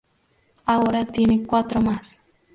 Ahora tiene cuatro más.